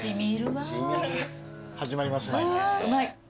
うまいね。